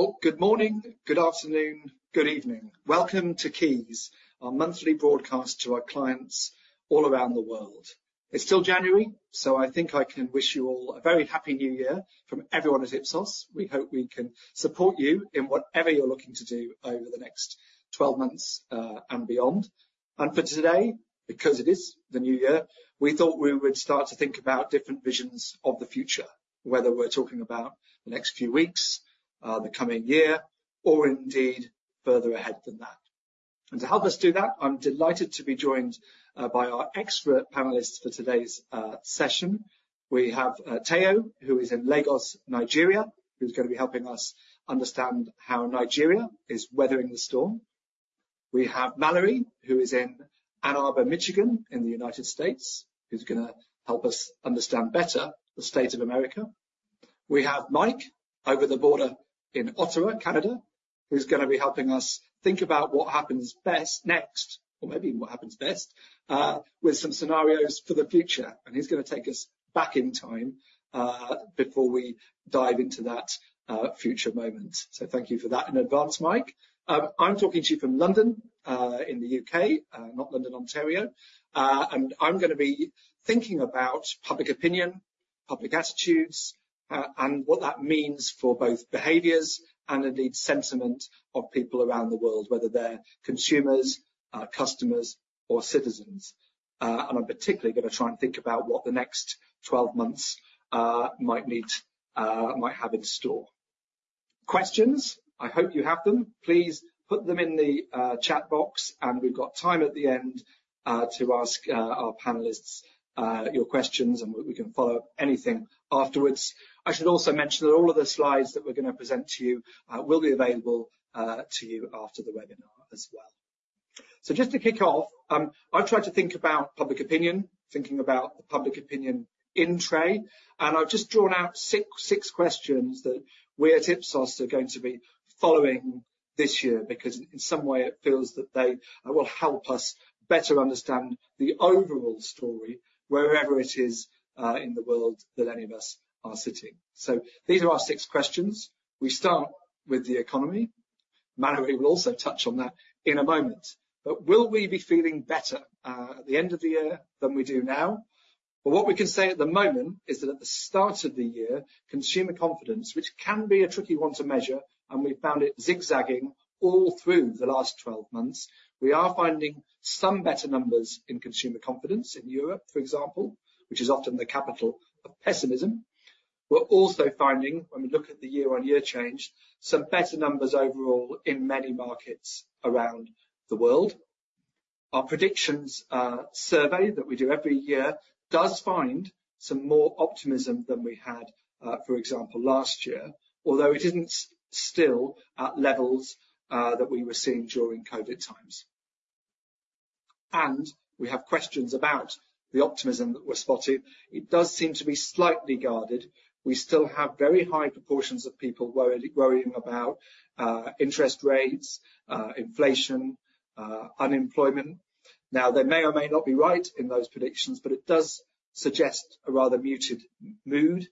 Well, good morning, good afternoon, good evening. Welcome to KEYS, our monthly broadcast to our clients all around the world. It's still January, so I think I can wish you all a very happy new year from everyone at Ipsos. We hope we can support you in whatever you're looking to do over the next 12 months and beyond. For today, because it is the new year, we thought we would start to think about different visions of the future, whether we're talking about the next few weeks, the coming year, or indeed further ahead than that. To help us do that, I'm delighted to be joined by our expert panelists for today's session. We have Tayo, who is in Lagos, Nigeria, who's gonna be helping us understand how Nigeria is weathering the storm. We have Mallory, who is in Ann Arbor, Michigan, in the United States, who's gonna help us understand better the state of America. We have Mike over the border in Ottawa, Canada, who's gonna be helping us think about what happens best next, or maybe what happens best, with some scenarios for the future. And he's gonna take us back in time, before we dive into that, future moment. So thank you for that in advance, Mike. I'm talking to you from London, in the U.K., not London, Ontario. And I'm gonna be thinking about public opinion, public attitudes, and what that means for both behaviors and indeed, sentiment of people around the world, whether they're consumers, customers, or citizens. I'm particularly gonna try and think about what the next 12 months might need, might have in store. Questions? I hope you have them. Please put them in the chat box, and we've got time at the end to ask our panelists your questions, and we can follow up anything afterwards. I should also mention that all of the slides that we're gonna present to you will be available to you after the webinar as well. So just to kick off, I've tried to think about public opinion, thinking about the public opinion in 2024, and I've just drawn out six, six questions that we at Ipsos are going to be following this year, because in some way it feels that they will help us better understand the overall story, wherever it is in the world that any of us are sitting. So these are our six questions. We start with the economy. Mallory will also touch on that in a moment. But will we be feeling better at the end of the year than we do now? But what we can say at the moment is that at the start of the year, consumer confidence, which can be a tricky one to measure, and we found it zigzagging all through the last 12 months, we are finding some better numbers in consumer confidence in Europe, for example, which is often the capital of pessimism. We're also finding, when we look at the year-on-year change, some better numbers overall in many markets around the world. Our predictions survey, that we do every year, does find some more optimism than we had for example, last year, although it isn't still at levels that we were seeing during COVID times. And we have questions about the optimism that we're spotting. It does seem to be slightly guarded. We still have very high proportions of people worrying about interest rates, inflation, unemployment. Now, they may or may not be right in those predictions, but it does suggest a rather muted mood.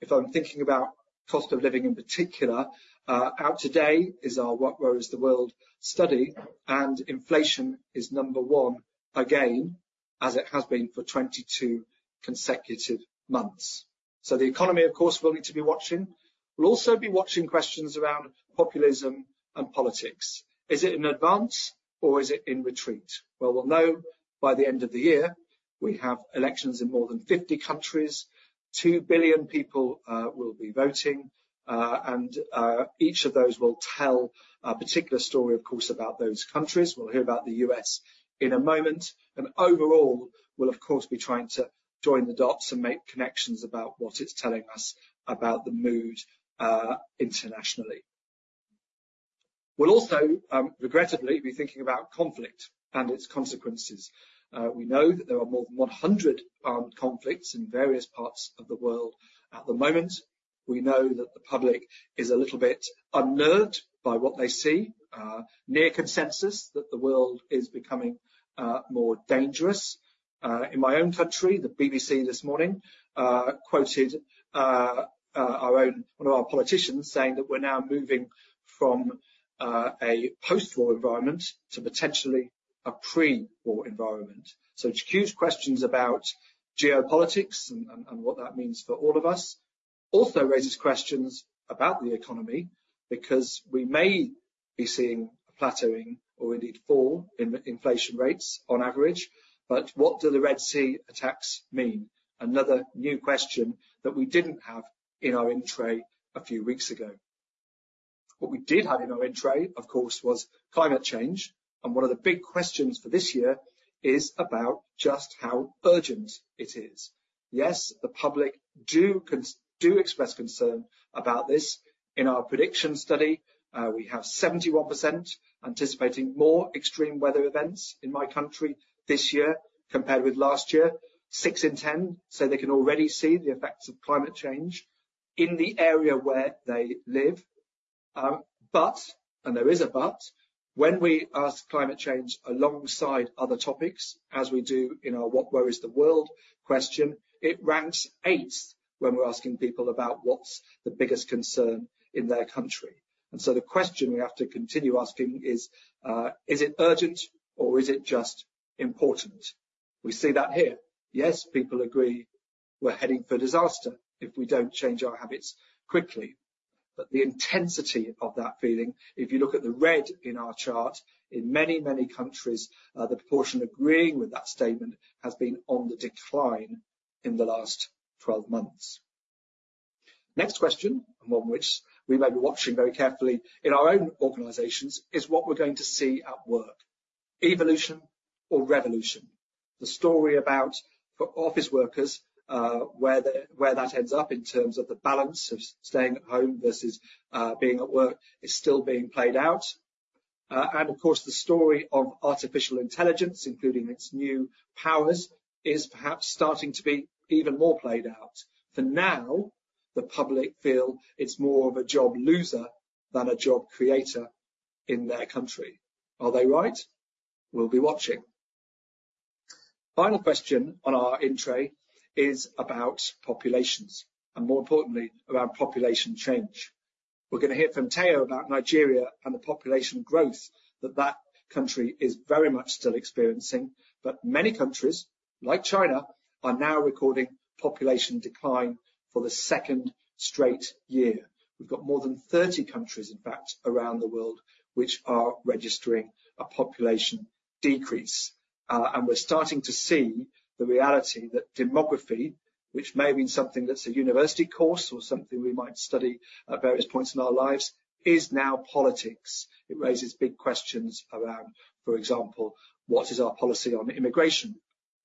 If I'm thinking about cost of living, in particular, out today is our What Worries the World study, and inflation is number one again, as it has been for 22 consecutive months. So the economy, of course, we'll need to be watching. We'll also be watching questions around populism and politics. Is it an advance or is it in retreat? Well, we'll know by the end of the year. We have elections in more than 50 countries. Two billion people will be voting, and each of those will tell a particular story, of course, about those countries. We'll hear about the U.S. in a moment, and overall, we'll of course, be trying to join the dots and make connections about what it's telling us about the mood, internationally. We'll also, regrettably, be thinking about conflict and its consequences. We know that there are more than 100 armed conflicts in various parts of the world at the moment. We know that the public is a little bit unnerved by what they see, near consensus, that the world is becoming, more dangerous. In my own country, the BBC this morning, quoted, our own, one of our politicians, saying that we're now moving from, a post-war environment to potentially a pre-war environment. So it's huge questions about geopolitics and what that means for all of us. Also raises questions about the economy, because we may be seeing a plateauing or indeed fall in inflation rates on average, but what do the Red Sea attacks mean? Another new question that we didn't have in our in tray a few weeks ago. What we did have in our in tray, of course, was climate change, and one of the big questions for this year is about just how urgent it is. Yes, the public do express concern about this. In our prediction study, we have 71% anticipating more extreme weather events in my country this year compared with last year. Six in ten say they can already see the effects of climate change in the area where they live. But there is a but, when we ask climate change alongside other topics, as we do in our What Worries the World question, it ranks eighth when we're asking people about what's the biggest concern in their country. And so the question we have to continue asking is, is it urgent or is it just important? We see that here. Yes, people agree we're heading for disaster if we don't change our habits quickly. But the intensity of that feeling, if you look at the red in our chart, in many, many countries, the proportion agreeing with that statement has been on the decline in the last 12 months. Next question, and one which we may be watching very carefully in our own organizations, is what we're going to see at work, evolution or revolution? The story about for office workers, where that ends up in terms of the balance of staying at home versus, being at work, is still being played out. And of course, the story of artificial intelligence, including its new powers, is perhaps starting to be even more played out. For now, the public feel it's more of a job loser than a job creator in their country. Are they right? We'll be watching. Final question on our in tray is about populations and, more importantly, around population change. We're gonna hear from Tayo about Nigeria and the population growth that that country is very much still experiencing, but many countries, like China, are now recording population decline for the second straight year. We've got more than 30 countries, in fact, around the world, which are registering a population decrease. And we're starting to see the reality that demography, which may have been something that's a university course or something we might study at various points in our lives, is now politics. It raises big questions around, for example, what is our policy on immigration?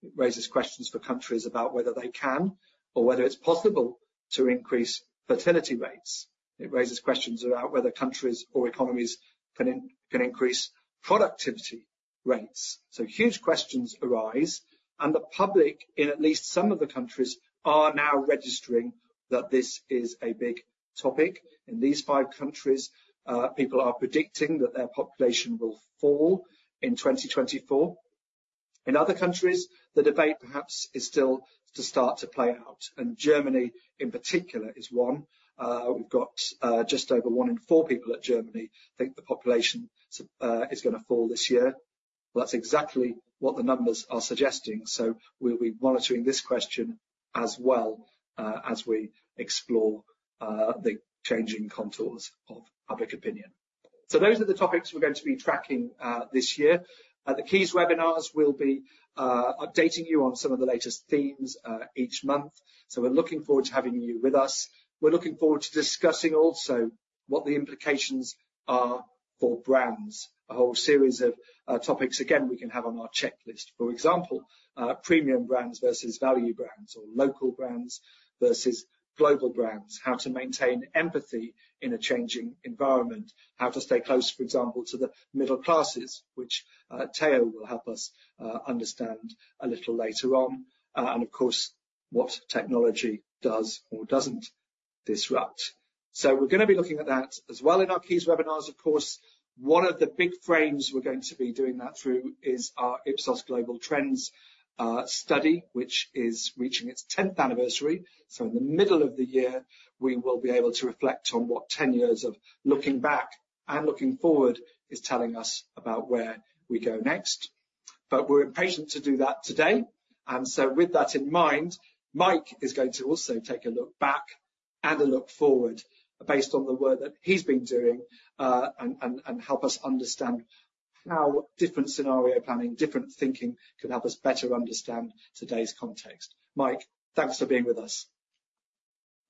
It raises questions for countries about whether they can, or whether it's possible to increase fertility rates. It raises questions about whether countries or economies can increase productivity rates. So huge questions arise, and the public, in at least some of the countries, are now registering that this is a big topic. In these five countries, people are predicting that their population will fall in 2024. In other countries, the debate perhaps is still to start to play out, and Germany, in particular, is one. We've got just over one in four people in Germany think the population is gonna fall this year. Well, that's exactly what the numbers are suggesting, so we'll be monitoring this question as well as we explore the changing contours of public opinion. So those are the topics we're going to be tracking this year. At the KEYS webinars, we'll be updating you on some of the latest themes each month, so we're looking forward to having you with us. We're looking forward to discussing also what the implications are for brands. A whole series of topics, again, we can have on our checklist. For example, premium brands versus value brands or local brands versus global brands. How to maintain empathy in a changing environment. How to stay close, for example, to the middle classes, which Tayo will help us understand a little later on, and of course, what technology does or doesn't disrupt. So we're gonna be looking at that as well in our KEYS webinars, of course. One of the big frames we're going to be doing that through is our Ipsos Global Trends Study, which is reaching its tenth anniversary. So in the middle of the year, we will be able to reflect on what ten years of looking back and looking forward is telling us about where we go next. But we're impatient to do that today, and so with that in mind, Mike is going to also take a look back and a look forward based on the work that he's been doing, and help us understand how different scenario planning, different thinking, can help us better understand today's context. Mike, thanks for being with us.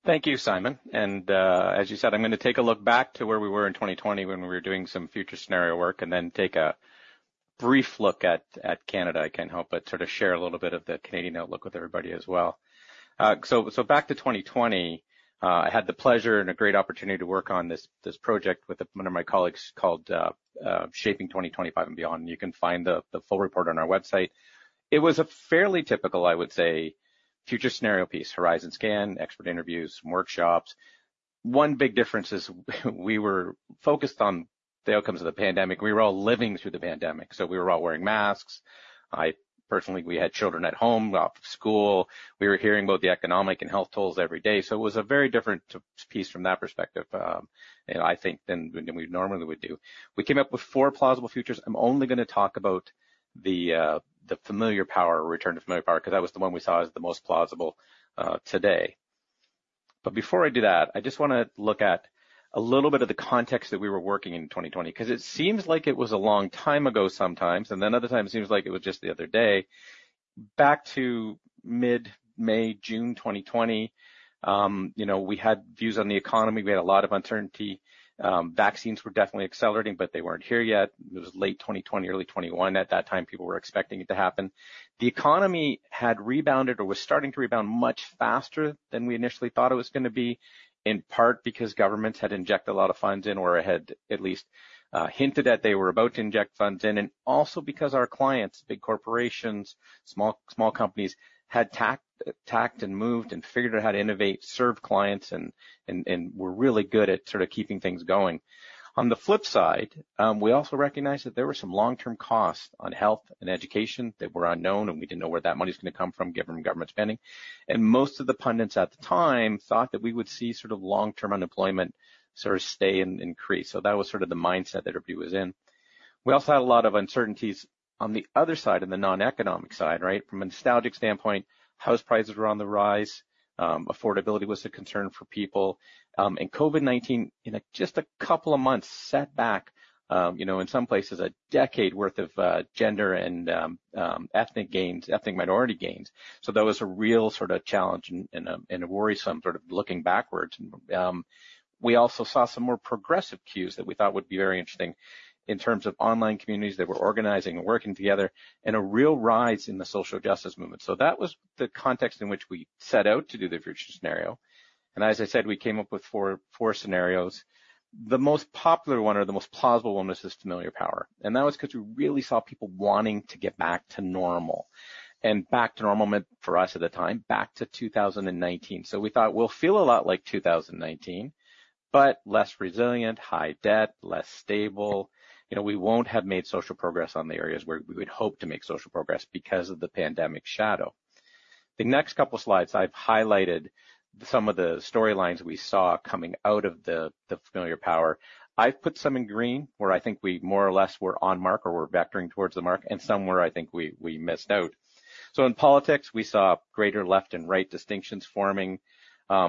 Thank you, Simon. As you said, I'm gonna take a look back to where we were in 2020 when we were doing some future scenario work, and then take a brief look at Canada. I can't help but sort of share a little bit of the Canadian outlook with everybody as well. So back to 2020, I had the pleasure and a great opportunity to work on this project with one of my colleagues called Shaping 2025 and Beyond. You can find the full report on our website. It was a fairly typical, I would say, future scenario piece, horizon scan, expert interviews, workshops. One big difference is we were focused on the outcomes of the pandemic. We were all living through the pandemic, so we were all wearing masks. I personally, we had children at home, off of school. We were hearing about the economic and health tolls every day, so it was a very different piece from that perspective, and I think than we normally would do. We came up with four plausible futures. I'm only gonna talk about the Familiar Power, return to Familiar Power, 'cause that was the one we saw as the most plausible, today. But before I do that, I just wanna look at a little bit of the context that we were working in 2020, 'cause it seems like it was a long time ago sometimes, and then other times it seems like it was just the other day. Back to mid-May, June 2020, you know, we had views on the economy. We had a lot of uncertainty. Vaccines were definitely accelerating, but they weren't here yet. It was late 2020, early 2021. At that time, people were expecting it to happen. The economy had rebounded or was starting to rebound much faster than we initially thought it was gonna be, in part because governments had injected a lot of funds in, or had at least hinted that they were about to inject funds in, and also because our clients, big corporations, small companies, had tacked and moved and figured out how to innovate, serve clients, and were really good at sort of keeping things going. On the flip side, we also recognized that there were some long-term costs on health and education that were unknown, and we didn't know where that money was gonna come from, given government spending. Most of the pundits at the time thought that we would see sort of long-term unemployment sort of stay and increase. So that was sort of the mindset that everybody was in. We also had a lot of uncertainties on the other side, in the non-economic side, right? From a nostalgic standpoint, house prices were on the rise, affordability was a concern for people. And COVID-19, in just a couple of months set back, you know, in some places, a decade worth of gender and ethnic gains, ethnic minority gains. So that was a real sort of challenge and a worrisome sort of looking backwards. We also saw some more progressive cues that we thought would be very interesting in terms of online communities that were organizing and working together, and a real rise in the social justice movement. So that was the context in which we set out to do the future scenario, and as I said, we came up with four scenarios. The most popular one or the most plausible one, was this Familiar Power, and that was 'cause we really saw people wanting to get back to normal. And back to normal meant, for us at the time, back to 2019. So we thought, we'll feel a lot like 2019, but less resilient, high debt, less stable. You know, we won't have made social progress on the areas where we would hope to make social progress because of the pandemic shadow. The next couple slides, I've highlighted some of the storylines we saw coming out of the Familiar Power. I've put some in green, where I think we more or less were on mark or we're vectoring towards the mark, and some where I think we, we missed out. So in politics, we saw greater left and right distinctions forming.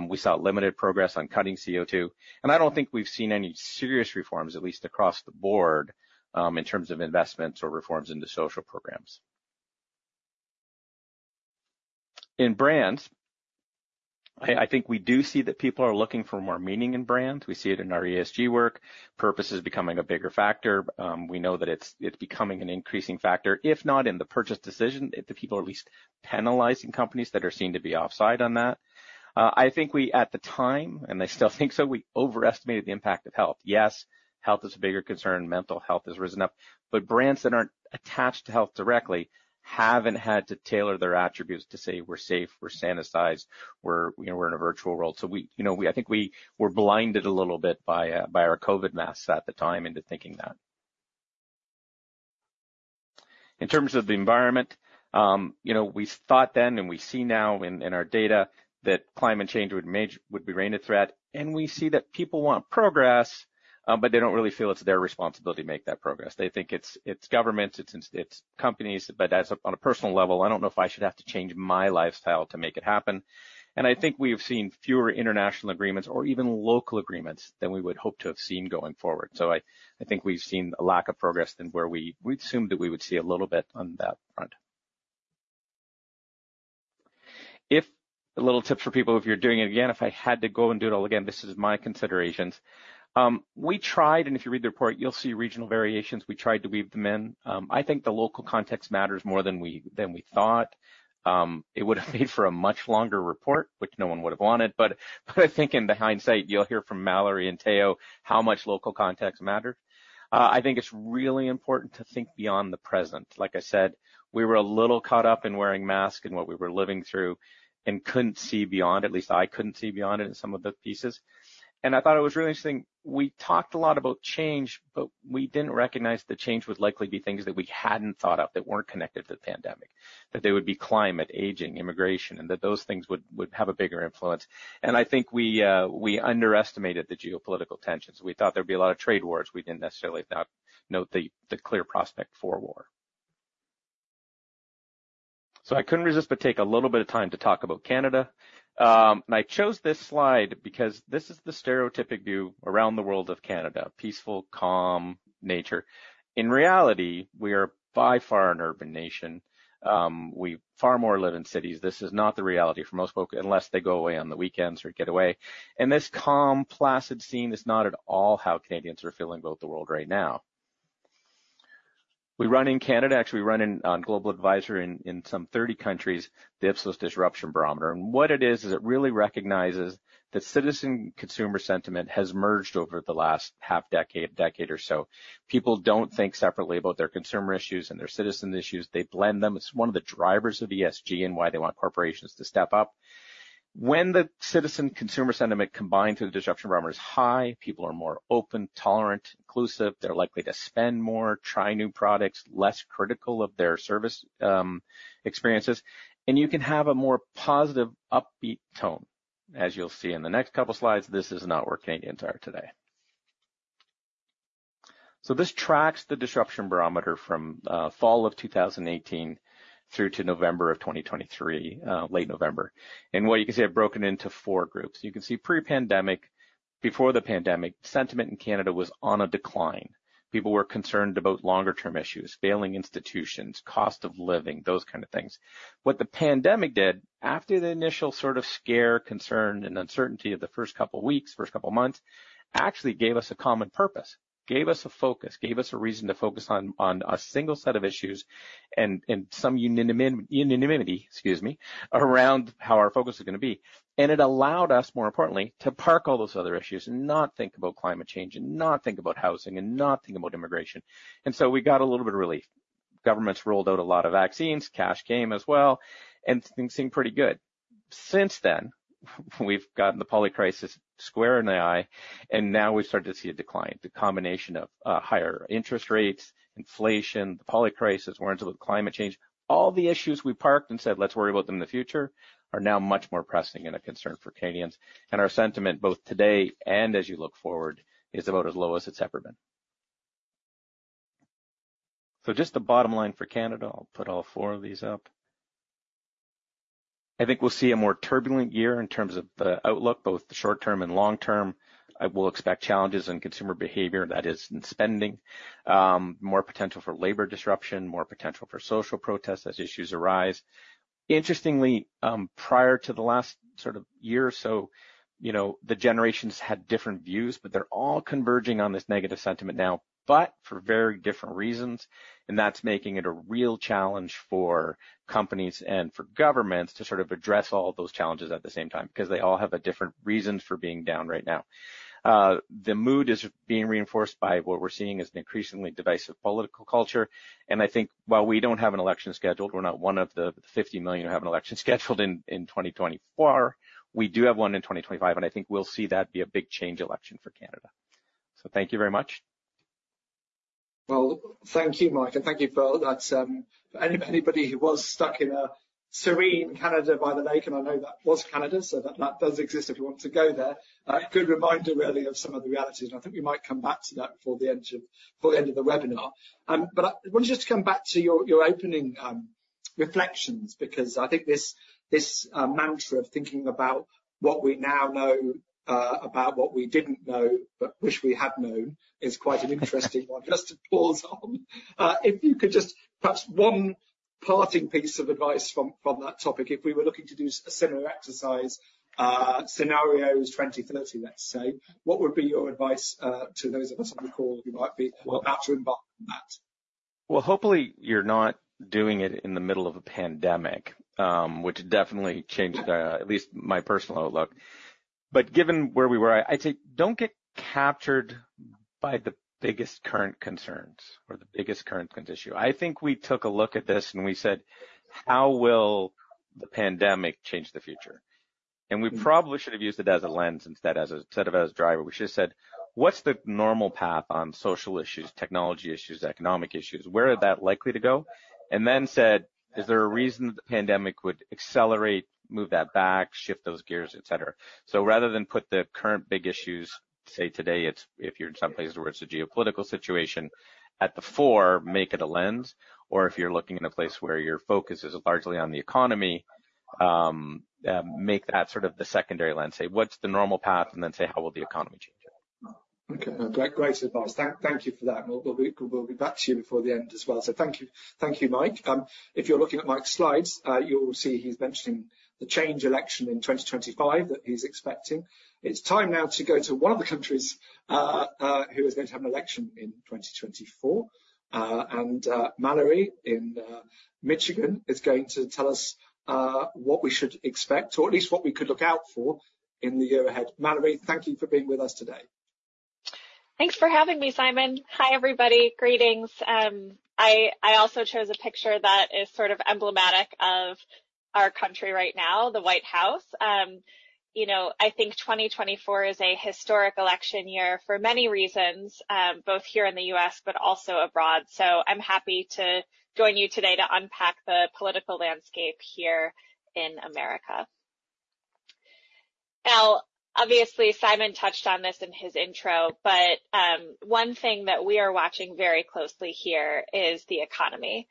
We saw limited progress on cutting CO2, and I don't think we've seen any serious reforms, at least across the board, in terms of investments or reforms into social programs. In brands, I, I think we do see that people are looking for more meaning in brands. We see it in our ESG work. Purpose is becoming a bigger factor. We know that it's becoming an increasing factor, if not in the purchase decision, if the people are at least penalizing companies that are seen to be offside on that. I think we, at the time, and I still think so, we overestimated the impact of health. Yes, health is a bigger concern. Mental health has risen up, but brands that aren't attached to health directly, haven't had to tailor their attributes to say, "We're safe, we're sanitized, we're, you know, we're in a virtual world." So, you know, I think we were blinded a little bit by our COVID masks at the time into thinking that. In terms of the environment, you know, we thought then, and we see now in our data, that climate change would remain a threat, and we see that people want progress, but they don't really feel it's their responsibility to make that progress. They think it's governments, it's companies, but on a personal level, I don't know if I should have to change my lifestyle to make it happen. And I think we've seen fewer international agreements or even local agreements than we would hope to have seen going forward. So I think we've seen a lack of progress than where we we'd assumed that we would see a little bit on that front. A little tip for people, if you're doing it again, if I had to go and do it all again, this is my considerations. We tried, and if you read the report, you'll see regional variations. We tried to weave them in. I think the local context matters more than we thought. It would have made for a much longer report, which no one would have wanted, but I think in hindsight, you'll hear from Mallory and Tayo, how much local context mattered. I think it's really important to think beyond the present. Like I said, we were a little caught up in wearing masks and what we were living through and couldn't see beyond. At least I couldn't see beyond it in some of the pieces. And I thought it was really interesting. We talked a lot about change, but we didn't recognize the change would likely be things that we hadn't thought of, that weren't connected to the pandemic. That they would be climate, aging, immigration, and that those things would have a bigger influence. And I think we, we underestimated the geopolitical tensions. We thought there'd be a lot of trade wars. We didn't necessarily thought, note the clear prospect for war. So I couldn't resist but take a little bit of time to talk about Canada. And I chose this slide because this is the stereotypic view around the world of Canada: peaceful, calm nature. In reality, we are by far an urban nation. We far more live in cities. This is not the reality for most folk unless they go away on the weekends or get away. And this calm, placid scene is not at all how Canadians are feeling about the world right now. We run in Canada, actually. We run on Global Advisor in some 30 countries, the Ipsos Disruption Barometer. What it is is it really recognizes that citizen consumer sentiment has merged over the last half decade, decade or so. People don't think separately about their consumer issues and their citizen issues. They blend them. It's one of the drivers of ESG and why they want corporations to step up. When the citizen consumer sentiment, combined to the Disruption Barometer, is high, people are more open, tolerant, inclusive. They're likely to spend more, try new products, less critical of their service experiences, and you can have a more positive, upbeat tone. As you'll see in the next couple slides, this is not where Canadians are today. So this tracks the Disruption Barometer from fall of 2018 through to November of 2023, late November. What you can see, I've broken into four groups. You can see pre-pandemic. Before the pandemic, sentiment in Canada was on a decline. People were concerned about longer term issues, failing institutions, cost of living, those kind of things. What the pandemic did, after the initial sort of scare, concern, and uncertainty of the first couple weeks, first couple of months, actually gave us a common purpose, gave us a focus, gave us a reason to focus on a single set of issues, and some unanimity, excuse me, around how our focus is gonna be. And it allowed us, more importantly, to park all those other issues and not think about climate change, and not think about housing, and not think about immigration. And so we got a little bit of relief. Governments rolled out a lot of vaccines, cash came as well, and things seemed pretty good. Since then, we've gotten the Polycrisis square in the eye, and now we've started to see a decline. The combination of higher interest rates, inflation, the Polycrisis, worries about climate change. All the issues we parked and said, "Let's worry about them in the future," are now much more pressing and a concern for Canadians. And our sentiment, both today and as you look forward, is about as low as it's ever been. So just the bottom line for Canada, I'll put all four of these up. I think we'll see a more turbulent year in terms of the outlook, both the short term and long term. I will expect challenges in consumer behavior, that is, in spending, more potential for labor disruption, more potential for social protests as issues arise. Interestingly, prior to the last sort of year or so, you know, the generations had different views, but they're all converging on this negative sentiment now, but for very different reasons, and that's making it a real challenge for companies and for governments to sort of address all those challenges at the same time, because they all have a different reason for being down right now. The mood is being reinforced by what we're seeing as an increasingly divisive political culture, and I think while we don't have an election scheduled, we're not one of the 50 million who have an election scheduled in 2024. We do have one in 2025, and I think we'll see that be a big change election for Canada. So thank you very much. Well, thank you, Mike, and thank you for that. Anybody who was stuck in Sarnia, Canada by the lake, and I know that was Canada, so that does exist if you want to go there. A good reminder, really, of some of the realities. I think we might come back to that before the end of the webinar. But I wanted you to come back to your opening reflections, because I think this mantra of thinking about what we now know about what we didn't know but wish we had known is quite an interesting one just to pause on. If you could just perhaps one parting piece of advice from that topic, if we were looking to do a similar exercise, scenarios 2030, let's say, what would be your advice to those of us on the call who might be about to embark on that? Well, hopefully, you're not doing it in the middle of a pandemic, which definitely changed at least my personal outlook. But given where we were, I'd say don't get captured by the biggest current concerns or the biggest current issue. I think we took a look at this, and we said, "How will the pandemic change the future?" And we probably should have used it as a lens instead of as a driver. We should have said, "What's the normal path on social issues, technology issues, economic issues? Where is that likely to go?" And then said, "Is there a reason the pandemic would accelerate, move that back, shift those gears, et cetera?" So rather than put the current big issues, say, today, it's if you're in some place where it's a geopolitical situation, at the fore, make it a lens, or if you're looking in a place where your focus is largely on the economy, make that sort of the secondary lens. Say, "What's the normal path?" And then say, "How will the economy change it? Okay, great. Great advice. Thank you for that. We'll be back to you before the end as well. So thank you. Thank you, Mike. If you're looking at Mike's slides, you'll see he's mentioning the change election in 2025 that he's expecting. It's time now to go to one of the countries who is going to have an election in 2024. And Mallory in Michigan is going to tell us what we should expect or at least what we could look out for in the year ahead. Mallory, thank you for being with us today. Thanks for having me, Simon. Hi, everybody. Greetings. I also chose a picture that is sort of emblematic of our country right now, the White House. You know, I think 2024 is a historic election year for many reasons, both here in the U.S., but also abroad. So I'm happy to join you today to unpack the political landscape here in America. Now, obviously, Simon touched on this in his intro, but one thing that we are watching very closely here is the economy.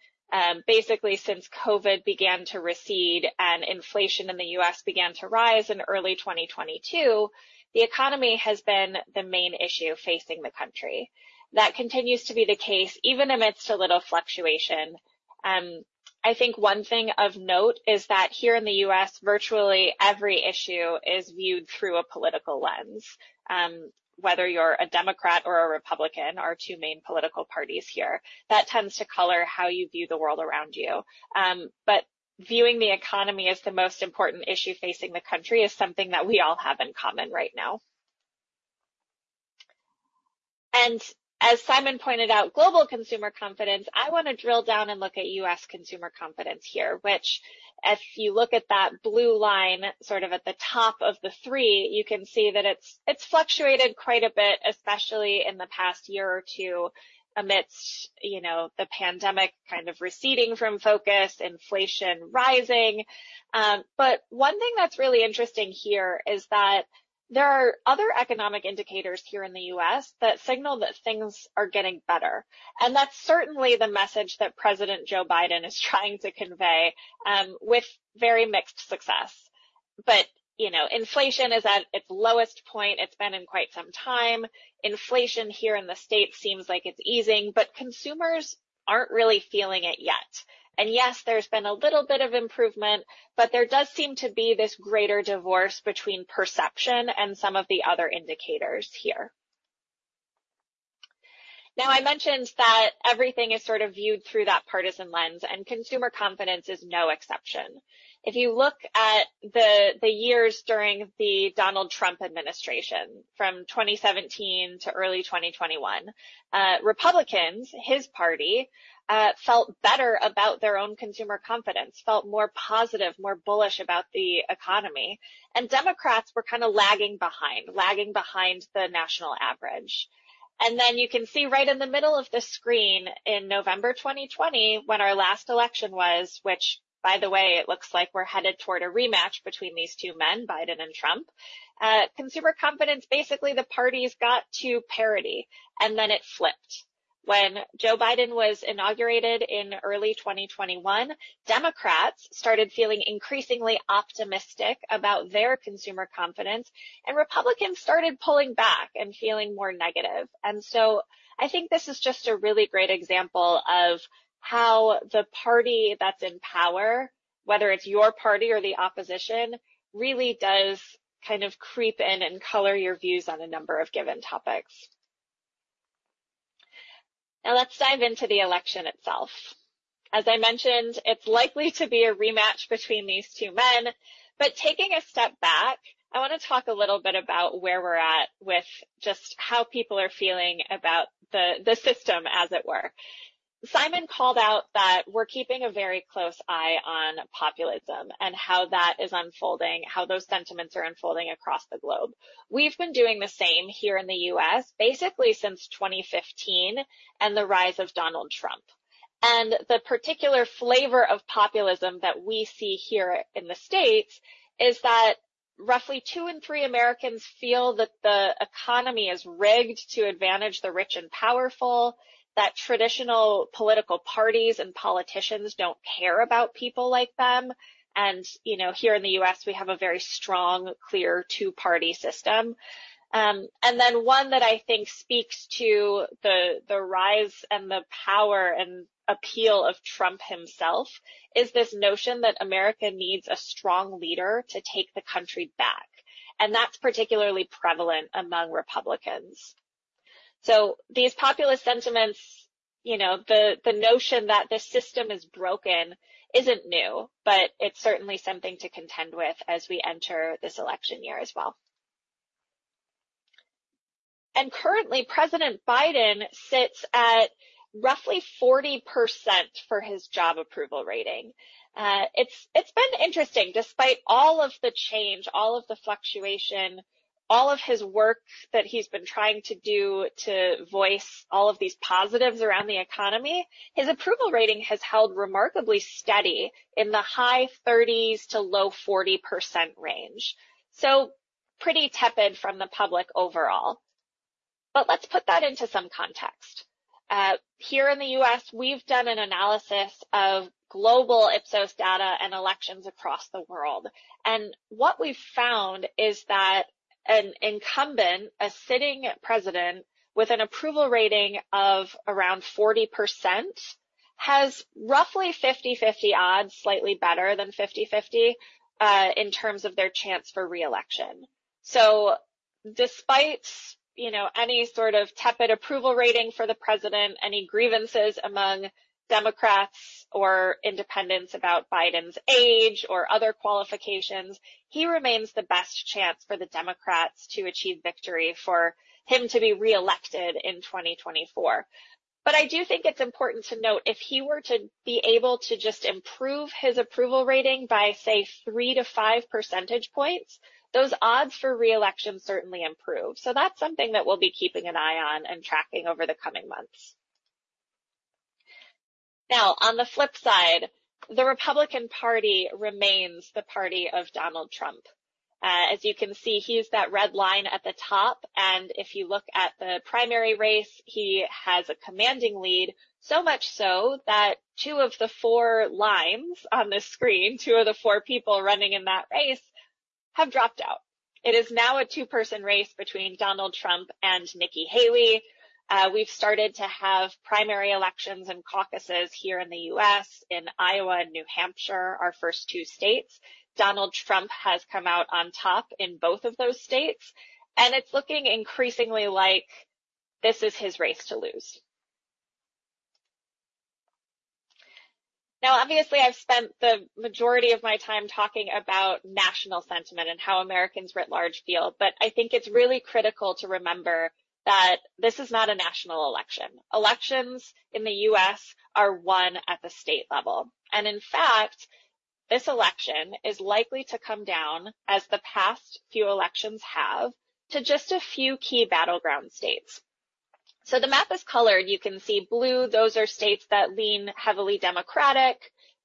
Basically, since COVID began to recede and inflation in the U.S. began to rise in early 2022, the economy has been the main issue facing the country. That continues to be the case, even amidst a little fluctuation. I think one thing of note is that here in the U.S., virtually every issue is viewed through a political lens. Whether you're a Democrat or a Republican, our two main political parties here, that tends to color how you view the world around you. But viewing the economy as the most important issue facing the country is something that we all have in common right now. And as Simon pointed out, Global Consumer Confidence, I want to drill down and look at U.S. consumer confidence here, which, if you look at that blue line, sort of at the top of the three, you can see that it's fluctuated quite a bit, especially in the past year or two, amidst, you know, the pandemic kind of receding from focus, inflation rising. But one thing that's really interesting here is that there are other economic indicators here in the U.S. that signal that things are getting better, and that's certainly the message that President Joe Biden is trying to convey, with very mixed success. But, you know, inflation is at its lowest point it's been in quite some time. Inflation here in the States seems like it's easing, but consumers aren't really feeling it yet. And yes, there's been a little bit of improvement, but there does seem to be this greater divorce between perception and some of the other indicators here. Now, I mentioned that everything is sort of viewed through that partisan lens, and consumer confidence is no exception. If you look at the years during the Donald Trump administration, from 2017 to early 2021, Republicans, his party, felt better about their own consumer confidence, felt more positive, more bullish about the economy. And Democrats were kinda lagging behind, lagging behind the national average. And then you can see right in the middle of the screen, in November 2020, when our last election was, which, by the way, it looks like we're headed toward a rematch between these two men, Biden and Trump, consumer confidence, basically, the parties got to parity, and then it flipped, when Joe Biden was inaugurated in early 2021, Democrats started feeling increasingly optimistic about their consumer confidence, and Republicans started pulling back and feeling more negative. And so I think this is just a really great example of how the party that's in power, whether it's your party or the opposition, really does kind of creep in and color your views on a number of given topics. Now, let's dive into the election itself. As I mentioned, it's likely to be a rematch between these two men. But taking a step back, I want to talk a little bit about where we're at with just how people are feeling about the, the system, as it were. Simon called out that we're keeping a very close eye on populism and how that is unfolding, how those sentiments are unfolding across the globe. We've been doing the same here in the U.S., basically since 2015 and the rise of Donald Trump. The particular flavor of populism that we see here in the States is that roughly two in three Americans feel that the economy is rigged to advantage the rich and powerful, that traditional political parties and politicians don't care about people like them. And, you know, here in the U.S., we have a very strong, clear two-party system. And then one that I think speaks to the, the rise and the power and appeal of Trump himself is this notion that America needs a strong leader to take the country back, and that's particularly prevalent among Republicans. So these populist sentiments, you know, the, the notion that the system is broken isn't new, but it's certainly something to contend with as we enter this election year as well. And currently, President Biden sits at roughly 40% for his job approval rating. It's been interesting, despite all of the change, all of the fluctuation, all of his work that he's been trying to do to voice all of these positives around the economy, his approval rating has held remarkably steady in the high 30s-low 40% range. So pretty tepid from the public overall. But let's put that into some context. Here in the U.S., we've done an analysis of global Ipsos data and elections across the world, and what we've found is that an incumbent, a sitting president, with an approval rating of around 40%, has roughly 50/50 odds, slightly better than 50/50, in terms of their chance for re-election. So despite, you know, any sort of tepid approval rating for the president, any grievances among Democrats or independents about Biden's age or other qualifications, he remains the best chance for the Democrats to achieve victory, for him to be re-elected in 2024. But I do think it's important to note, if he were to be able to just improve his approval rating by, say, three to five percentage points, those odds for re-election certainly improve. So that's something that we'll be keeping an eye on and tracking over the coming months. Now, on the flip side, the Republican Party remains the party of Donald Trump. As you can see, he's that red line at the top, and if you look at the primary race, he has a commanding lead. So much so that two of the four lines on the screen, two of the four people running in that race, have dropped out. It is now a two-person race between Donald Trump and Nikki Haley. We've started to have primary elections and caucuses here in the U.S., in Iowa and New Hampshire, our first two states. Donald Trump has come out on top in both of those states, and it's looking increasingly like this is his race to lose. Now, obviously, I've spent the majority of my time talking about national sentiment and how Americans writ large feel, but I think it's really critical to remember that this is not a national election. Elections in the U.S. are won at the state level, and in fact, this election is likely to come down, as the past few elections have, to just a few key battleground states. So the map is colored. You can see blue. Those are states that lean heavily Democratic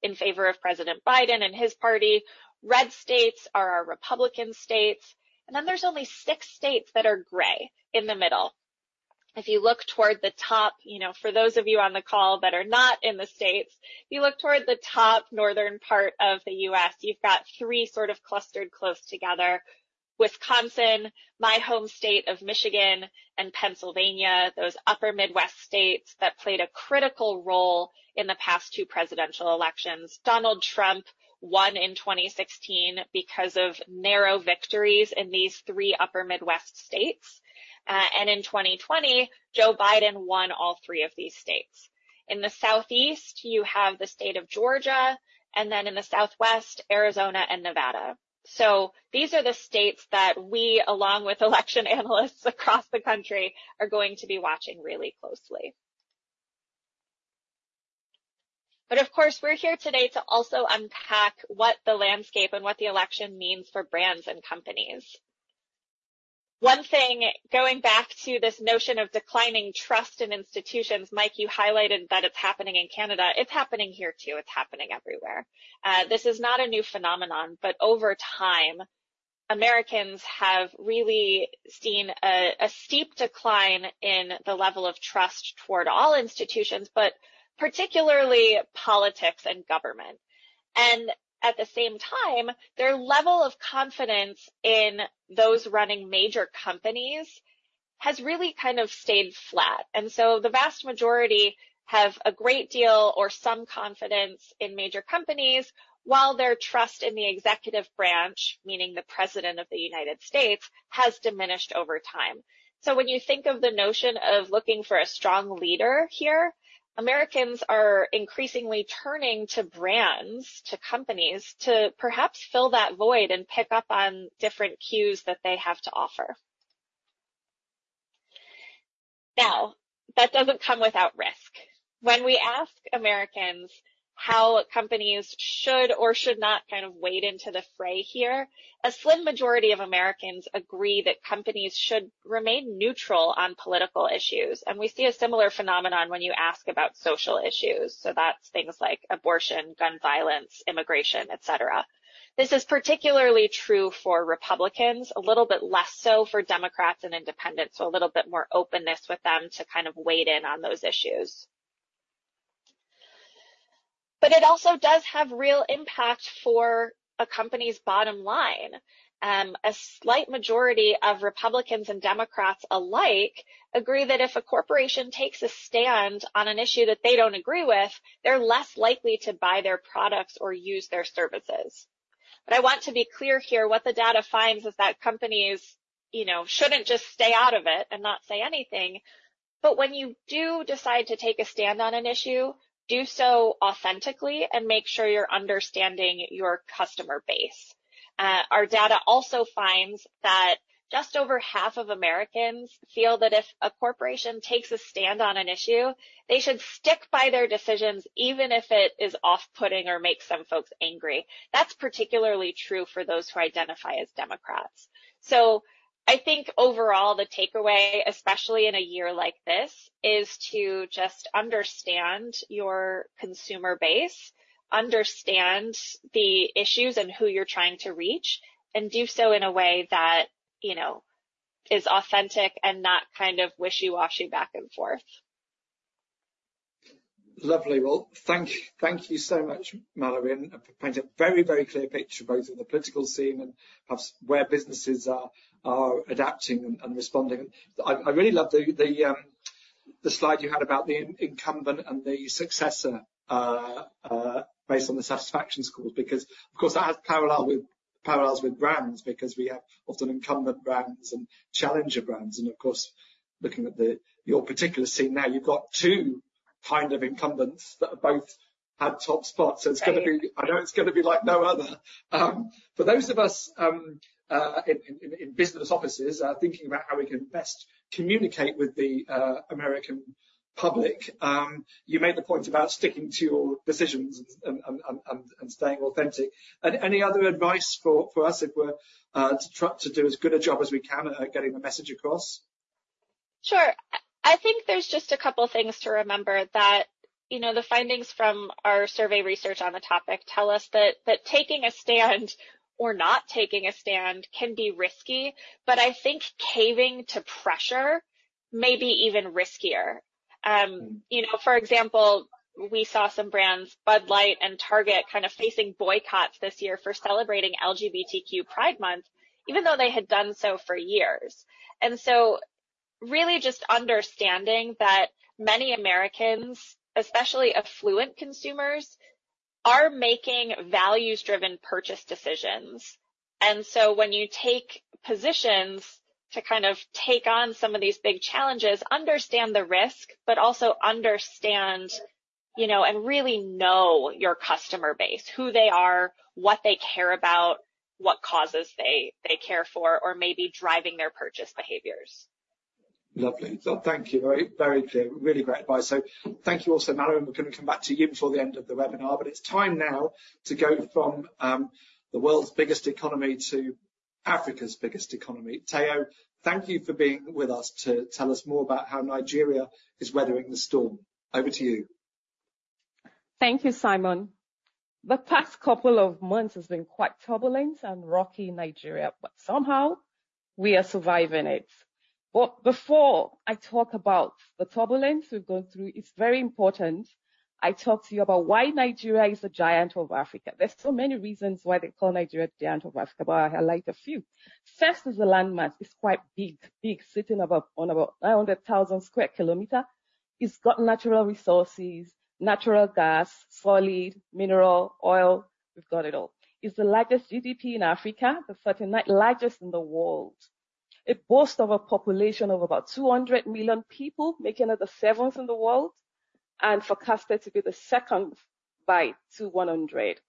in favor of President Biden and his party. Red states are our Republican states, and then there's only six states that are gray in the middle. If you look toward the top, you know, for those of you on the call that are not in the States, if you look toward the top northern part of the U.S., you've got three sort of clustered close together; Wisconsin, my home state of Michigan, and Pennsylvania, those upper Midwest states that played a critical role in the past two presidential elections. Donald Trump won in 2016 because of narrow victories in these three upper Midwest states. And in 2020, Joe Biden won all three of these states. In the Southeast, you have the state of Georgia, and then in the Southwest, Arizona and Nevada. So these are the states that we, along with election analysts across the country, are going to be watching really closely. But of course, we're here today to also unpack what the landscape and what the election means for brands and companies. One thing, going back to this notion of declining trust in institutions, Mike, you highlighted that it's happening in Canada. It's happening here, too. It's happening everywhere. This is not a new phenomenon, but over time, Americans have really seen a steep decline in the level of trust toward all institutions, but particularly politics and government. And at the same time, their level of confidence in those running major companies has really kind of stayed flat. The vast majority have a great deal or some confidence in major companies, while their trust in the executive branch, meaning the President of the United States, has diminished over time. When you think of the notion of looking for a strong leader here, Americans are increasingly turning to brands, to companies, to perhaps fill that void and pick up on different cues that they have to offer. Now, that doesn't come without risk. When we ask Americans how companies should or should not kind of wade into the fray here, a slim majority of Americans agree that companies should remain neutral on political issues, and we see a similar phenomenon when you ask about social issues. That's things like abortion, gun violence, immigration, et cetera. This is particularly true for Republicans, a little bit less so for Democrats and Independents, so a little bit more openness with them to kind of weigh in on those issues. But it also does have real impact for a company's bottom line. A slight majority of Republicans and Democrats alike agree that if a corporation takes a stand on an issue that they don't agree with, they're less likely to buy their products or use their services. But I want to be clear here, what the data finds is that companies, you know, shouldn't just stay out of it and not say anything. But when you do decide to take a stand on an issue, do so authentically and make sure you're understanding your customer base. Our data also finds that just over half of Americans feel that if a corporation takes a stand on an issue, they should stick by their decisions, even if it is off-putting or makes some folks angry. That's particularly true for those who identify as Democrats. So I think overall, the takeaway, especially in a year like this, is to just understand your consumer base, understand the issues and who you're trying to reach, and do so in a way that, you know, is authentic and not kind of wishy-washy back and forth. Lovely. Well, thank you so much, Mallory, and you paint a very, very clear picture, both of the political scene and perhaps where businesses are adapting and responding. I really love the slide you had about the incumbent and the successor, based on the satisfaction scores, because, of course, that has parallels with brands, because we have often incumbent brands and challenger brands, and of course, looking at your particular scene now, you've got two kind of incumbents that are both at top spot. So it's gonna be, I know it's gonna be like no other. For those of us in business offices thinking about how we can best communicate with the American public, you made the point about sticking to your decisions and staying authentic. And any other advice for us if we're to try to do as good a job as we can at getting the message across? Sure. I think there's just a couple things to remember that, you know, the findings from our survey research on the topic tell us that taking a stand or not taking a stand can be risky, but I think caving to pressure may be even riskier. You know, for example, we saw some brands, Bud Light and Target, kind of facing boycotts this year for celebrating LGBTQ Pride Month, even though they had done so for years. And so really just understanding that many Americans, especially affluent consumers, are making values-driven purchase decisions. And so when you take positions to kind of take on some of these big challenges, understand the risk, but also understand, you know, and really know your customer base, who they are, what they care about, what causes they care for, or may be driving their purchase behaviors. Lovely. Thank you. Very, very clear. Really great advice. So thank you also, Mallory, and we're gonna come back to you before the end of the webinar, but it's time now to go from the world's biggest economy to Africa's biggest economy. Tayo, thank you for being with us to tell us more about how Nigeria is weathering the storm. Over to you. Thank you, Simon. The past couple of months has been quite turbulent and rocky in Nigeria, but somehow we are surviving it. But before I talk about the turbulence we've gone through, it's very important I talk to you about why Nigeria is the Giant of Africa. There are so many reasons why they call Nigeria the Giant of Africa, but I highlight a few. First, is the landmass. It's quite big, big, sitting above on about 900,000 square kilometer. It's got natural resources, natural gas, solid mineral, oil, we've got it all. It's the largest GDP in Africa, the 39th largest in the world. It boasts of a population of about 200 million people, making it the seventh in the world, and forecasted to be the second by 2100.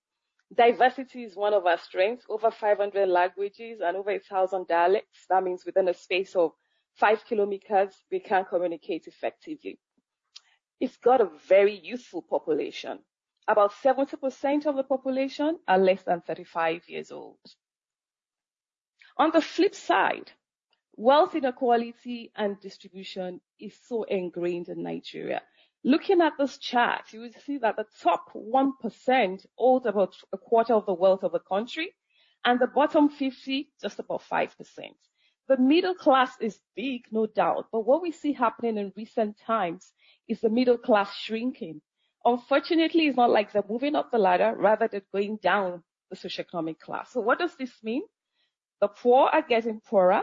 Diversity is one of our strengths. Over 500 languages and over 1,000 dialects. That means within a space of five kilometers, we can communicate effectively. It's got a very youthful population. About 70% of the population are less than 35 years old. On the flip side, wealth inequality and distribution is so ingrained in Nigeria. Looking at this chart, you will see that the top 1% owns about 1/4 of the wealth of the country, and the bottom 50, just about 5%. The middle class is big, no doubt, but what we see happening in recent times is the middle class shrinking. Unfortunately, it's not like they're moving up the ladder, rather, they're going down the socioeconomic class. So what does this mean? The poor are getting poorer,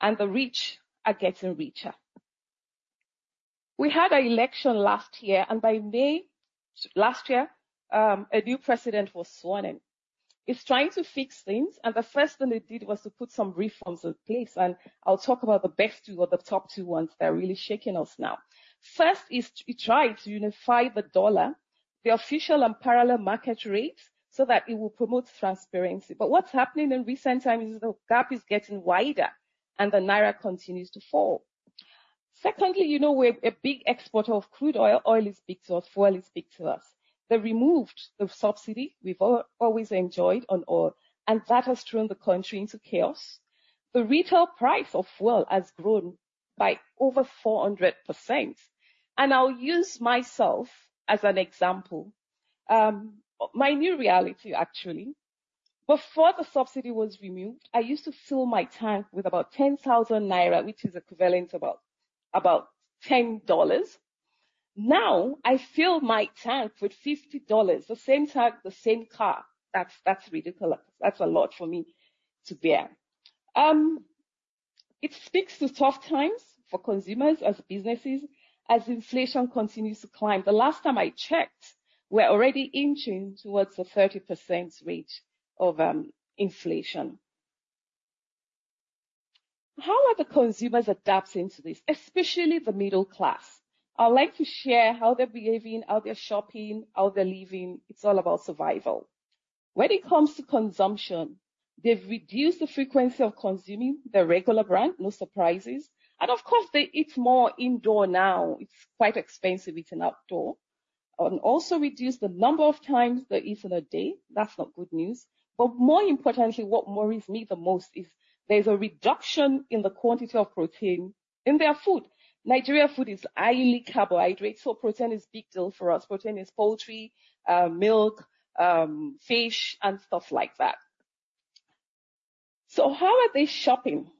and the rich are getting richer. We had an election last year, and by May last year, a new president was sworn in. He's trying to fix things, and the first thing he did was to put some reforms in place, and I'll talk about the best two or the top two ones that are really shaking us now. First is he tried to unify the dollar, the official and parallel market rates, so that it will promote transparency. But what's happening in recent times is the gap is getting wider, and the naira continues to fall. Secondly, you know we're a big exporter of crude oil. Oil is big to us. Fuel is big to us. They removed the subsidy we've always enjoyed on oil, and that has thrown the country into chaos. The retail price of fuel has grown by over 400%, and I'll use myself as an example. My new reality, actually. Before the subsidy was removed, I used to fill my tank with about 10,000 naira, which is equivalent to about, about $10. Now, I fill my tank with $50, the same tank, the same car. That's, that's ridiculous. That's a lot for me to bear. It speaks to tough times for consumers as businesses, as inflation continues to climb. The last time I checked, we're already inching towards the 30% rate of inflation. How are the consumers adapting to this, especially the middle class? I'd like to share how they're behaving, how they're shopping, how they're living. It's all about survival. When it comes to consumption, they've reduced the frequency of consuming their regular brand, no surprises, and of course, they eat more indoors now. It's quite expensive eating outdoors. Also reduced the number of times they eat in a day. That's not good news. But more importantly, what worries me the most is there's a reduction in the quantity of protein in their food. Nigerian food is highly carbohydrate, so protein is a big deal for us. Protein is poultry, milk, fish, and stuff like that. So how are they shopping?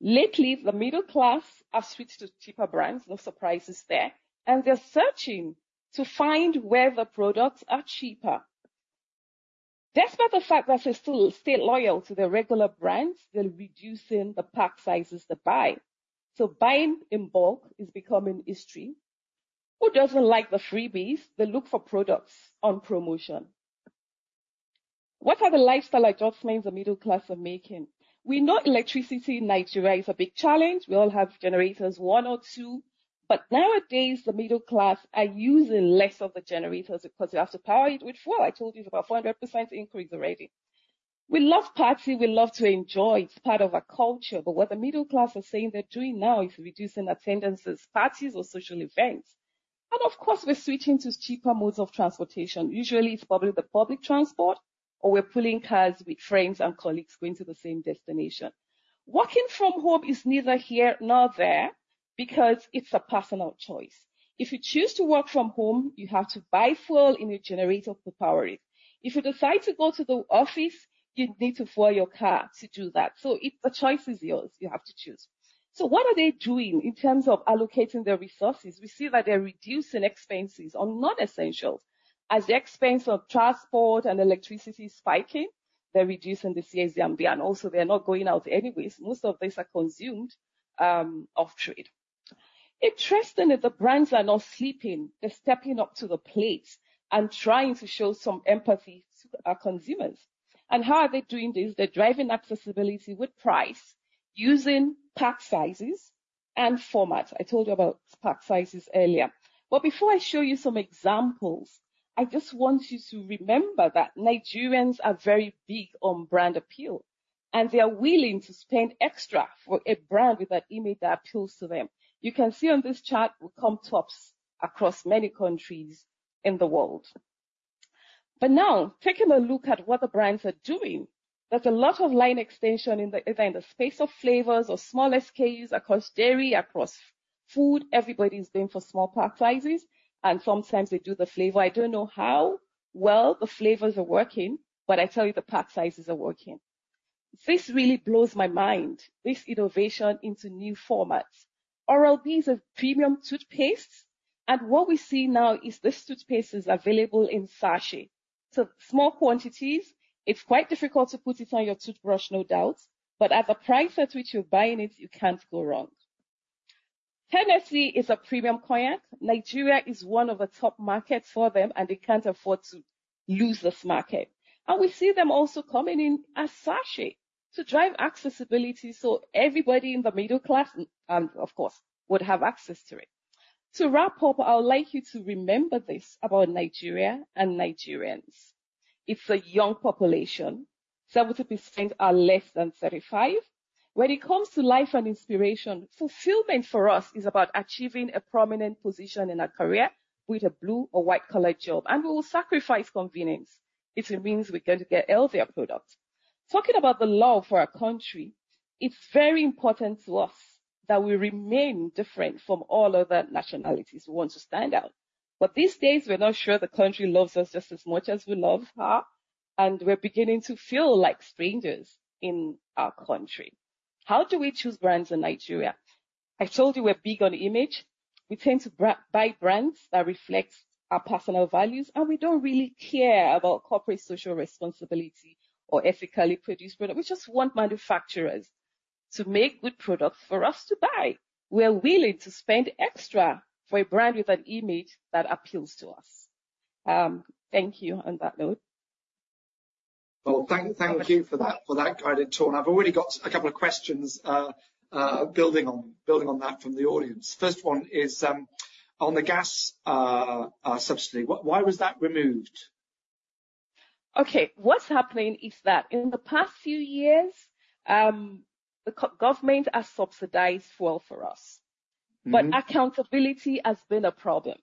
Lately, the middle class have switched to cheaper brands, no surprises there, and they're searching to find where the products are cheaper. Despite the fact that they still stay loyal to their regular brands, they're reducing the pack sizes they buy. So buying in bulk is becoming history. Who doesn't like the freebies? They look for products on promotion. What are the lifestyle adjustments the middle class are making? We know electricity in Nigeria is a big challenge. We all have generators, one or two, but nowadays, the middle class are using less of the generators because you have to power it with fuel. I told you, it's about 400% increase already. We love party, we love to enjoy. It's part of our culture. But what the middle class are saying they're doing now is reducing attendances, parties, or social events. And of course, we're switching to cheaper modes of transportation. Usually, it's probably the public transport, or we're pooling cars with friends and colleagues going to the same destination. Working from home is neither here nor there because it's a personal choice. If you choose to work from home, you have to buy fuel in your generator to power it. If you decide to go to the office, you need to fuel your car to do that. So it, the choice is yours. You have to choose. So what are they doing in terms of allocating their resources? We see that they're reducing expenses on non-essentials. As the expense of transport and electricity is spiking, they're reducing the CSDs, and also they're not going out anyways. Most of these are consumed off-trade. Interestingly, the brands are not sleeping. They're stepping up to the plate and trying to show some empathy to our consumers. And how are they doing this? They're driving accessibility with price, using pack sizes and formats. I told you about pack sizes earlier. But before I show you some examples, I just want you to remember that Nigerians are very big on brand appeal, and they are willing to spend extra for a brand with an image that appeals to them. You can see on this chart, we come tops across many countries in the world. But now, taking a look at what the brands are doing, there's a lot of line extension in the, either in the space of flavors or small SKUs across dairy, across food. Everybody is going for small pack sizes, and sometimes they do the flavor. I don't know how well the flavors are working, but I tell you, the pack sizes are working. This really blows my mind, this innovation into new formats. Oral-B is a premium toothpaste, and what we see now is this toothpaste is available in sachet. So small quantities, it's quite difficult to put it on your toothbrush, no doubt, but at the price at which you're buying it, you can't go wrong. Hennessy is a premium cognac. Nigeria is one of the top markets for them, and they can't afford to lose this market. And we see them also coming in as sachet to drive accessibility, so everybody in the middle class, of course, would have access to it. To wrap up, I would like you to remember this about Nigeria and Nigerians. It's a young population. 70% are less than 35. When it comes to life and inspiration, fulfillment for us is about achieving a prominent position in our career with a blue or white-collar job, and we will sacrifice convenience if it means we're going to get healthier products. Talking about the love for our country, it's very important to us that we remain different from all other nationalities. We want to stand out. But these days, we're not sure the country loves us just as much as we love her, and we're beginning to feel like strangers in our country. How do we choose brands in Nigeria? I told you we're big on image. We tend to buy brands that reflect our personal values, and we don't really care about corporate social responsibility or ethically produced products. We just want manufacturers to make good products for us to buy. We are willing to spend extra for a brand with an image that appeals to us. Thank you. On that note. Well, thank you for that guided tour. I've already got a couple of questions building on that from the audience. First one is on the gas subsidy. Why was that removed? Okay. What's happening is that in the past few years, the government has subsidized fuel for us, but accountability has been a problem.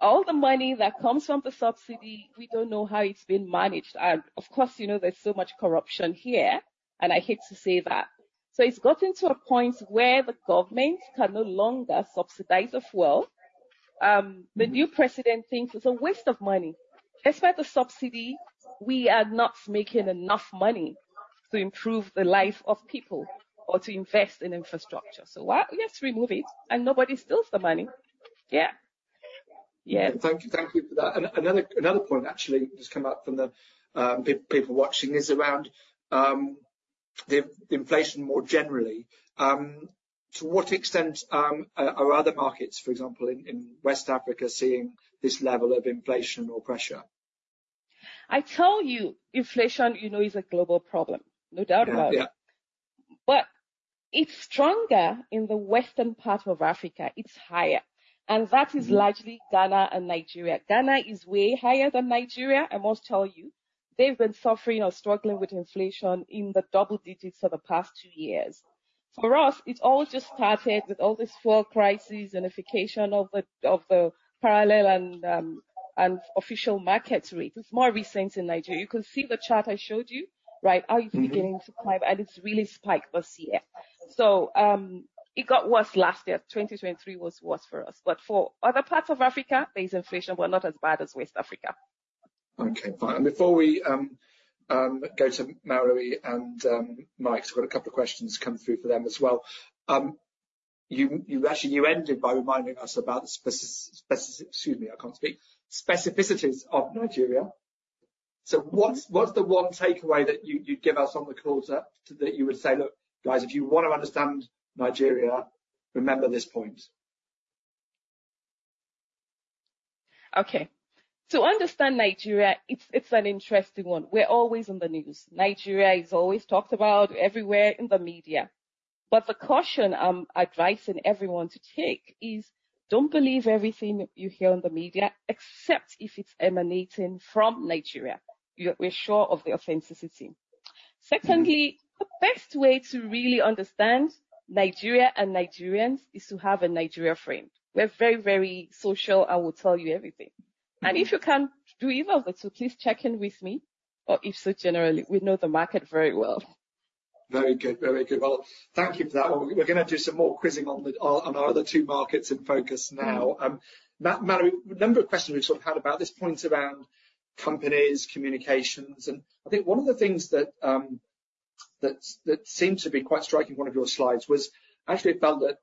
All the money that comes from the subsidy, we don't know how it's been managed. And, of course, you know, there's so much corruption here, and I hate to say that. So it's gotten to a point where the government can no longer subsidize the fuel. The new president thinks it's a waste of money. Despite the subsidy, we are not making enough money to improve the life of people or to invest in infrastructure. So why? Let's remove it, and nobody steals the money. Yeah. Yeah. Thank you. Thank you for that. And another point actually has come up from the people watching, is around the inflation more generally. To what extent are other markets, for example, in West Africa, seeing this level of inflation or pressure? I tell you, inflation, you know, is a global problem, no doubt about it. Yeah. But it's stronger in the western part of Africa. It's higher, and that is-largely Ghana and Nigeria. Ghana is way higher than Nigeria. I must tell you, they've been suffering or struggling with inflation in the double-digits for the past two years. For us, it all just started with all this fuel crisis and unification of the parallel and official market rates. It's more recent in Nigeria. You can see the chart I showed you, right? How we're beginning to climb, and it's really spiked this year. So, it got worse last year. 2023 was worse for us, but for other parts of Africa, there is inflation, but not as bad as West Africa. Okay, fine. And before we go to Mallory and Mike, I've got a couple of questions come through for them as well. You actually ended by reminding us about the specificities of Nigeria. Excuse me, I can't speak. So what's the one takeaway that you'd give us on the call today that you would say, "Look, guys, if you want to understand Nigeria, remember this point? Okay. To understand Nigeria, it's an interesting one. We're always on the news. Nigeria is always talked about everywhere in the media, but the caution I'm advising everyone to take is: don't believe everything you hear in the media, except if it's emanating from Nigeria. We're sure of the authenticity. Secondly, the best way to really understand Nigeria and Nigerians is to have a Nigeria friend. We're very, very social, and we'll tell you everything. If you can't do either of the two, please check in with me, or Ipsos generally. We know the market very well. Very good. Very good. Well, thank you for that one. We're gonna do some more quizzing on the, on our other two markets in focus now. Mallory, a number of questions we've sort of had about this point around companies, communications, and I think one of the things that seemed to be quite striking, one of your slides, was actually I felt that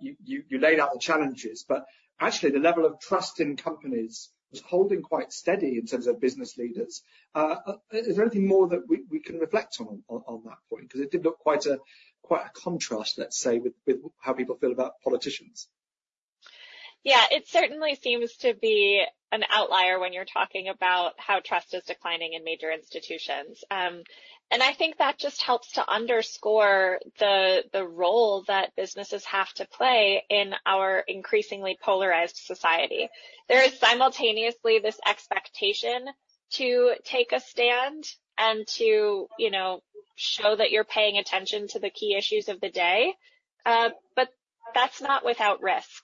you laid out the challenges, but actually the level of trust in companies was holding quite steady in terms of business leaders. Is there anything more that we can reflect on that point? Because it did look quite a contrast, let's say, with how people feel about politicians. Yeah, it certainly seems to be an outlier when you're talking about how trust is declining in major institutions. And I think that just helps to underscore the role that businesses have to play in our increasingly polarized society. There is simultaneously this expectation to take a stand and to, you know, show that you're paying attention to the key issues of the day, but that's not without risk.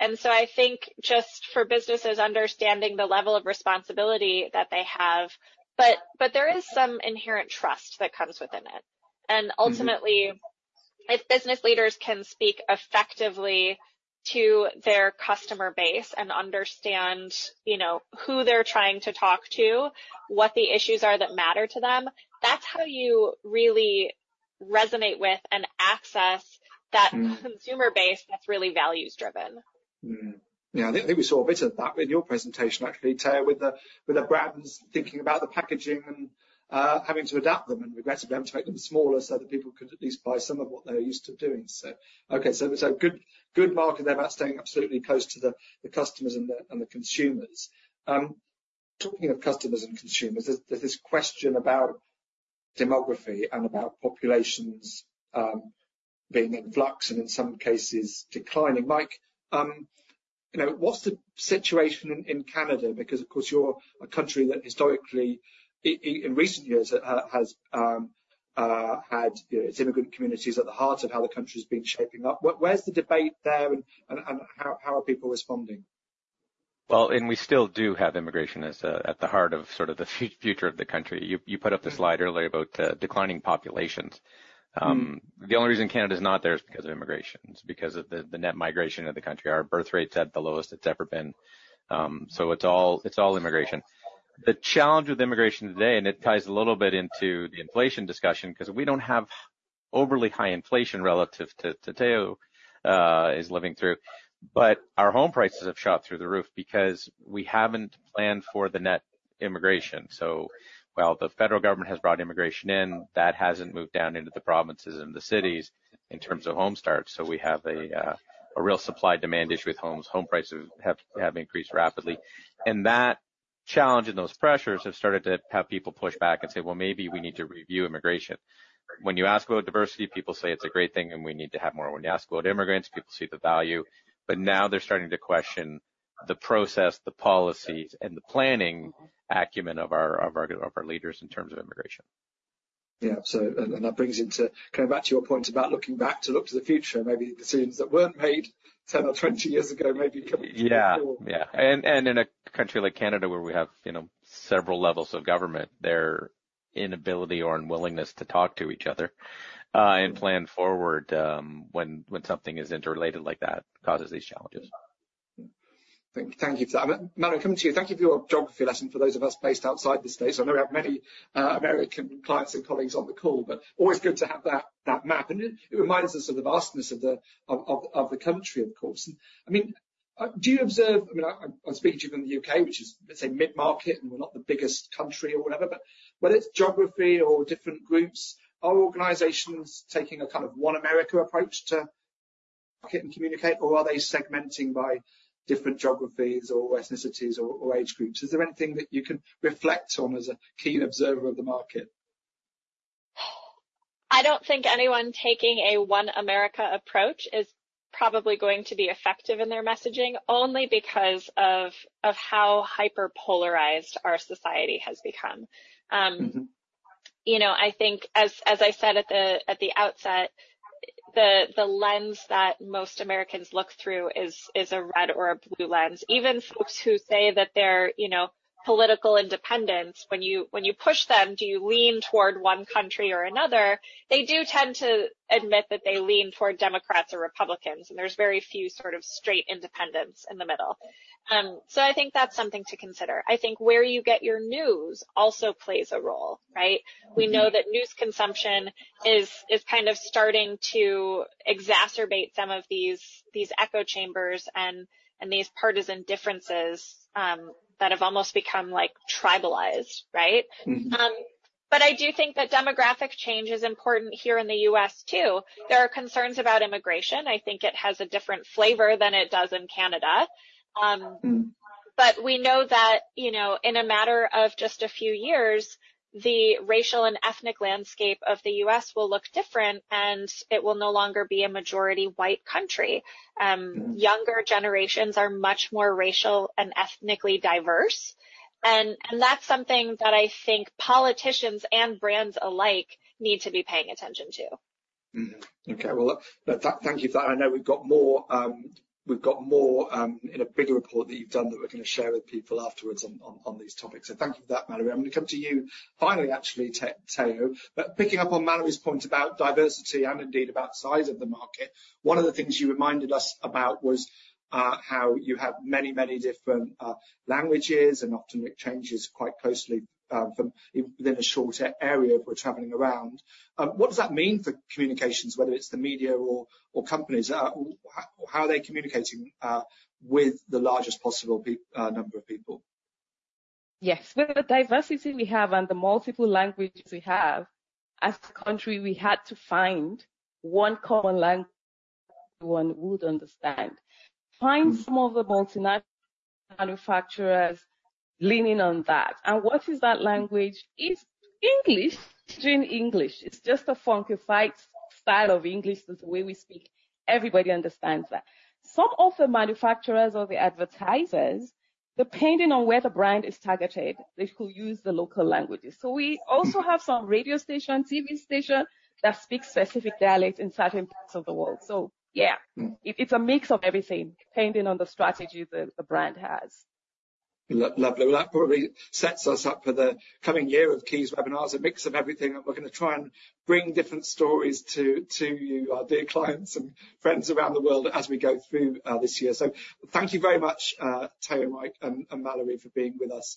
And so I think just for businesses understanding the level of responsibility that they have, but there is some inherent trust that comes within it. Ultimately, if business leaders can speak effectively to their customer base and understand, you know, who they're trying to talk to, what the issues are that matter to them, that's how you really resonate with and access-that consumer base that's really values-driven. Yeah, I think we saw a bit of that in your presentation, actually, Tayo, with the brands thinking about the packaging and having to adapt them and regrettably have to make them smaller so that people could at least buy some of what they're used to doing. So, okay, good marker there about staying absolutely close to the customers and the consumers. Talking of customers and consumers, there's this question about demography and about populations being in flux and in some cases, declining. Mike, you know, what's the situation in Canada? Because, of course, you're a country that historically in recent years has had its immigrant communities at the heart of how the country has been shaping up. Where's the debate there, and how are people responding? Well, and we still do have immigration as at the heart of sort of the future of the country. You, you put up the slide earlier about declining populations. The only reason Canada is not there is because of immigration. It's because of the net migration of the country. Our birth rate's at the lowest it's ever been, so it's all immigration. The challenge with immigration today, and it ties a little bit into the inflation discussion, 'cause we don't have overly high inflation relative to Tayo is living through. But our home prices have shot through the roof because we haven't planned for the net immigration. So while the federal government has brought immigration in, that hasn't moved down into the provinces and the cities in terms of home starts, so we have a real supply-demand issue with homes. Home prices have increased rapidly. And that challenge and those pressures have started to have people push back and say, "Well, maybe we need to review immigration." When you ask about diversity, people say it's a great thing and we need to have more. When you ask about immigrants, people see the value, but now they're starting to question the process, the policies, and the planning acumen of our leaders in terms of immigration. Yeah, so that brings into coming back to your point about looking back to look to the future. Maybe decisions that weren't made 10 or 20 years ago, maybe coming to the fore. Yeah, yeah. And in a country like Canada, where we have, you know, several levels of government, their inability or unwillingness to talk to each other, and plan forward, when something is interrelated like that, causes these challenges. Thank you. Thank you for that. Mallory, coming to you. Thank you for your geography lesson, for those of us based outside the States. I know we have many American clients and colleagues on the call, but always good to have that map, and it reminds us of the vastness of the country, of course. I mean, do you observe? I mean, I'm speaking to you from the U.K., which is, let's say, mid-market, and we're not the biggest country or whatever, but whether it's geography or different groups, are organizations taking a kind of one America approach to communicate, or are they segmenting by different geographies, or ethnicities, or age groups? Is there anything that you can reflect on as a keen observer of the market? I don't think anyone taking a one America approach is probably going to be effective in their messaging, only because of, of how hyper-polarized our society has become. You know, I think as I said at the outset, the lens that most Americans look through is a red or a blue lens. Even folks who say that they're, you know, political independents, when you push them, "Do you lean toward one country or another?" They do tend to admit that they lean toward Democrats or Republicans, and there's very few sort of straight independents in the middle. So I think that's something to consider. I think where you get your news also plays a role, right? We know that news consumption is kind of starting to exacerbate some of these echo chambers and these partisan differences that have almost become like tribalized, right? But I do think that demographic change is important here in the U.S. too. There are concerns about immigration. I think it has a different flavor than it does in Canada. But we know that, you know, in a matter of just a few years, the racial and ethnic landscape of the U.S. will look different, and it will no longer be a majority white country. Younger generations are much more racially and ethnically diverse, and that's something that I think politicians and brands alike need to be paying attention to. Okay, well, thank you for that. I know we've got more, we've got more, in a bigger report that you've done that we're gonna share with people afterwards on, on, on these topics. So thank you for that, Mallory. I'm gonna come to you finally, actually, Tayo. But picking up on Mallory's point about diversity and indeed about size of the market, one of the things you reminded us about was how you have many, many different languages, and often it changes quite closely from within a short area if we're traveling around. What does that mean for communications, whether it's the media or companies? How are they communicating with the largest possible number of people? Yes. With the diversity we have and the multiple languages we have, as a country, we had to find one common language everyone would understand. Find some of the multinational manufacturers leaning on that. And what is that language? It's English, Pidgin English. It's just a funky-fied style of English. It's the way we speak. Everybody understands that. Some of the manufacturers or the advertisers, depending on where the brand is targeted, they could use the local languages. So we also have some radio stations, TV stations, that speak specific dialects in certain parts of the world. So yeah. It's a mix of everything, depending on the strategy the brand has. Lovely. Well, that probably sets us up for the coming year of KEYS webinars, a mix of everything, and we're gonna try and bring different stories to you, our dear clients and friends around the world, as we go through this year. So thank you very much, Tayo, Mike, and Mallory for being with us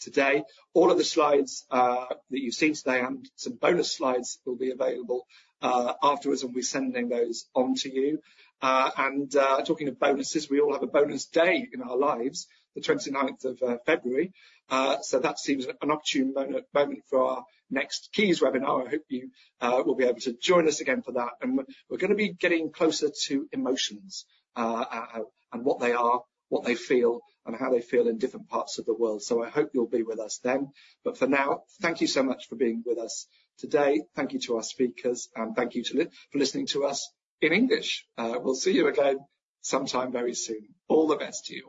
today. All of the slides that you've seen today and some bonus slides will be available afterwards, and we'll be sending those on to you. Talking of bonuses, we all have a bonus day in our lives, the 29th of February. So that seems an opportune moment for our next KEYS webinar. I hope you will be able to join us again for that. And we're gonna be getting closer to emotions, and what they are, what they feel, and how they feel in different parts of the world. So I hope you'll be with us then. But for now, thank you so much for being with us today. Thank you to our speakers, and thank you to listeners for listening to us in English. We'll see you again sometime very soon. All the best to you.